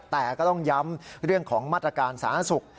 แต่ก็ต้องย้ำเรื่องของมาตรการสาธารณสุข